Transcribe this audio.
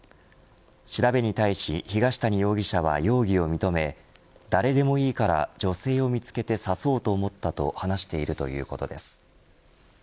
調べに対し東谷容疑者は容疑を認め誰でもいいから女性を見つけて刺そうと思ったと話しているということです。